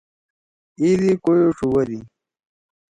ے دے کویو ڇُوبَدی۔